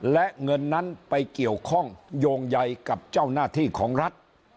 และเงินนั้นไปเกี่ยวข้องโยงใยกับเจ้าหน้าที่ของรัฐ